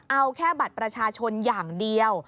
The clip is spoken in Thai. เอาแค่บัตรประชาชนอย่างเดียว